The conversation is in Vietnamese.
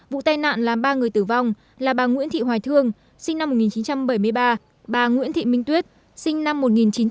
vụ tai nạn làm ba người tử vong là bà nguyễn thị hoài thương sinh năm một nghìn chín trăm bảy mươi ba bà nguyễn thị minh tuyết sinh năm một nghìn chín trăm tám mươi